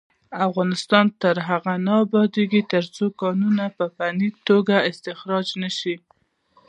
افغانستان تر هغو نه ابادیږي، ترڅو کانونه په فني توګه استخراج نشي.